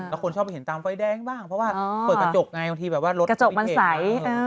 แล้วคนชอบเห็นตามไฟแดงบ้างเพราะว่าเปิดกระจกไงบางทีแบบว่ารถกระจกมันใส